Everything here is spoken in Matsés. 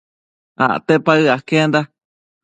Acte paë aquenda